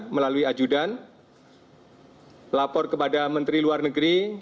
melalui ajudan lapor kepada menteri luar negeri